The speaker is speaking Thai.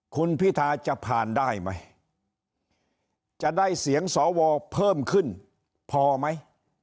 คุณพิทาจะผ่านได้ไหมจะได้เสียงสวเพิ่มขึ้นพอไหม